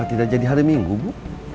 tidak jadi hari minggu bu